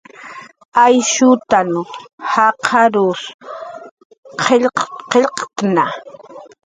Aysh yatxutan jaqarunw qillq qillqt'ktna